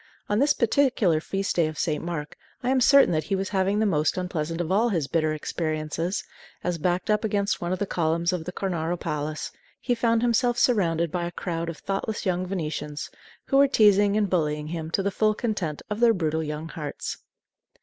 On this particular Feast Day of St. Mark, I am certain that he was having the most unpleasant of all his bitter experiences, as, backed up against one of the columns of the Cornaro Palace, he found himself surrounded by a crowd of thoughtless young Venetians, who were teasing and bullying him to the full content of their brutal young hearts.